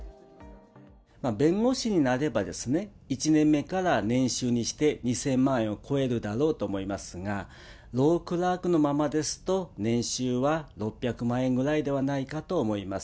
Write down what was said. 弁護士になれば、１年目から年収にして２０００万円を超えるだろうと思いますが、ロー・クラークのままですと、年収は６００万円ぐらいではないかと思います。